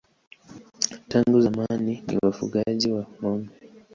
Tangu zamani ni wafugaji wa ng'ombe.